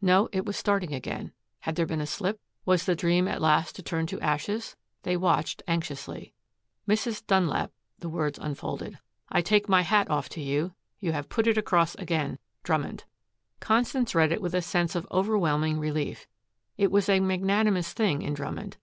No, it was starting again. Had there been a slip! Was the dream at last to turn to ashes? They watched anxiously. "Mrs. Dunlap," the words unfolded, "I take my hat off to you. You have put it across again. "DRUMMOND." Constance read it with a sense of overwhelming relief. It was a magnanimous thing in Drummond.